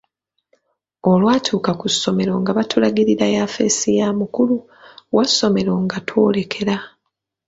Olwatuuka ku ssomero nga batulagirira yafeesi ya mukulu wa ssomero nga twolekera.